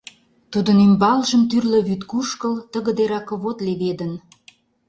Тудын ӱмбалжым тӱрлӧ вӱд кушкыл, тыгыде ракывод леведын.